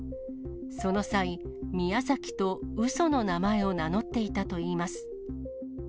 その際、ミヤザキとうその名前を名乗っていたといいます。